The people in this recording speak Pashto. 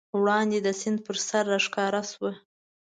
وړاندې د سیند پر سر راښکاره شوه.